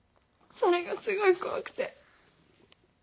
それがすごい怖くて」。